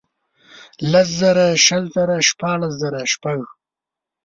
لس زره شل ، شپاړس زره شپږ.